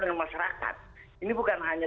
dengan masyarakat ini bukan hanya